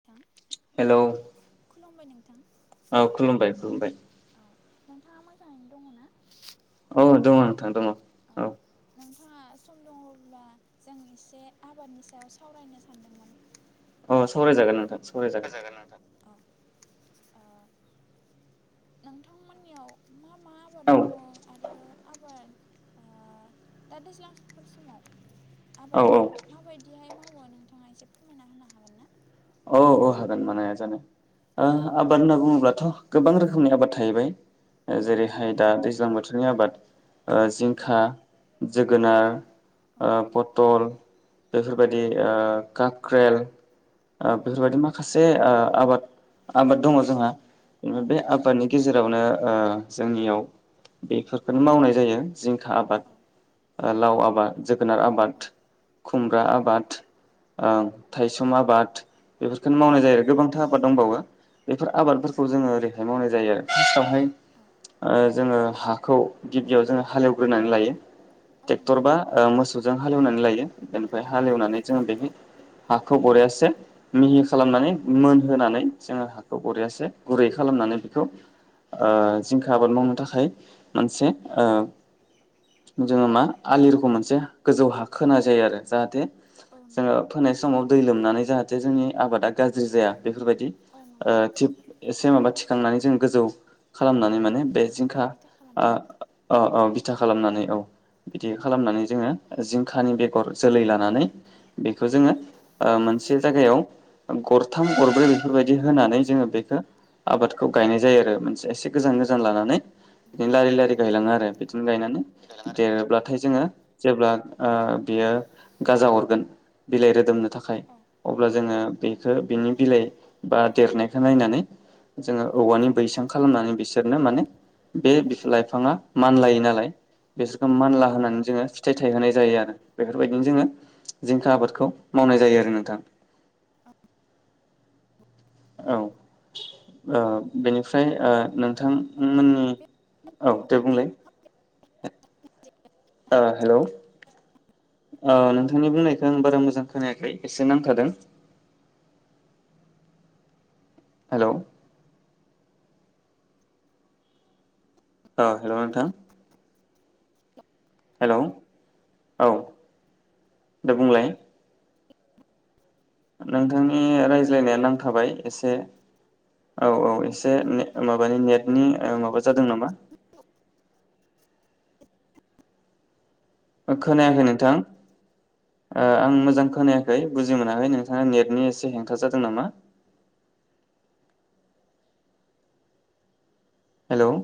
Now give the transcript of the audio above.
नोंथां हेलौ खुलुमबाय नोंथां औ खुलुमबाय खुलुमबाय औ नोंथाङा मोजाङैनो दङ ना? औ दङ नोंथां दङ औ नोंथाङा सम दङब्ला जों एसे आबादनि सायाव सावरायनो सानदोंमोन अ सावरायजागोन नोंथां सावरायजागोन जागोन नोंथां औ ओ नोंथांमोननियाव मा मा आबाद औ मावो आरो आबाद ओ दा दैज्लां फोर समाव औ आबादखौ माबायदिहाय माव ओ नोंथाङा एसे फोरमायना होनो हागोन ना औ औ हागोन मानो हाया जानो औ ओ आबाद होनना बुङोब्लाथ गोबां रोखोमनि आबाद थाहैबाय औ नंगौ जेरैहाय दा नोंथां दैज्लां बोथोरनि आबाद ओ औ जिंखा जोगोनार जिंखा औ ओ नंगौ पथल औ बेफोरबायदि ओ काक्रेल औ ओ नंगौ बेफोरबायदि माखासे ओ आबाद आबाद दङ जोंहा औ बे नंगौ आबादनि गेजेरावनो ओ जोंनियाव बेफोरखौनो मावनाय जायो जिंखा आबाद औ औ लाव आबाद जोगोनार आबाद औ खुमब्रा नंगौ आबाद ओं थायसुम आबाद बेफोरखौनो मावनाय जायो औ आरो गोबांथार आबाद दंबावो बेफोर औ नंगौ आबादफोरखौ जोङो नोंथां ओरैहाय मावनाय जायो [unintelligible] फ्राय औ ओ जोङो हाखौ गिबियाव जोङो हालेवग्रोनानै लायो औ ट्रेक्टर नंगौ बा ओ मोसौ जों हालेवनानै लायो बेनिफ्राय औ नंगौ हालेवनानै जों बेहाय हाखौ बरियासे मिहि खालामनानै मोनहोनानै जोङो हाखौ बरियासे गुरै खालामनानै बेखौ ओ जिंखा आबाद मावनो थाखाय मोनसे ओ जोङो मा आलि रखम मोनसे गोजौ हा खोनाय जायो आरो जाहाथे औ जोङो नंगौ फोनाय समाव दै लोमनानै जाहाथे जे जोंनि आबादा गाज्रि जाया बेफोरबायदि औ ओ नंगौ थि नोंथां एसे माबा थिखांनानै जों गोजौ खालामनानै मोन नो बे हाखौ जिंखा बिथा आ खालामना औ औ औ बिथा खालामनानै औ बिदि औ खालामनानै जोङो जिंखानि बेगर जोलै लानानै बेखौ जोङो ओ मोनसे खौ गरथाम गरब्रै बेफोरबायदि होनानै जोङो बेखो आबादखौ गायनाय जायो आरो मोनसे एसे गोजान गोजान लानानै बिदि लारि लारि गायलाङो आरो बिदिनो औ गायनानै आरो बिदि देरोब्लाथाय जोङो जेब्ला ओ बियो गाजा हरगोन बिलाइ रोदोमनो थाखाय औ ओ बेखौ बिनि बिलाइ बा देरनायखौ नायनानै जोङो औ औवानि बैसां नोंथां खालामनानै बिसोरनो माने बे बिफ लाइफाङा मानलायो नालाय बिसोरखौ औ मानला नंगौ होनानै नोंथां जोङो फिथाइ थाइ होनाय जायो आरो बेफोरबायदिनो जोङो जिंखा आबादखौ मावनाय जायो आरो नोंथां औ ओ बेनिफ्राय ओ नों बिथां मोननि औ दे बुंलाय [unintelligible] ओ हेलौ ओ नोंथांनि बुंनायखौ आं बारा मोजां खोनायाखै एसे नांथादों हेलौ औ हेलौ नोंथां हेलौ औ दे बुंलाय नोंथांनि रायज्लायनाया नांथाबाय एसे औ औ एसे ने माबानि नेटनि माबा जादों नामा खोनायाखै नोंथां ओ आं मोजां खोनायाखै बुजि मोनाखै नोंथाङा नेटनि एसे हेंथा जादों नामा हेलौ